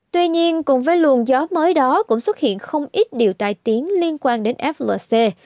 tuy nhiên cùng với luồng gió mới đó cũng xuất hiện không ít điều tai tiến liên quan đến flc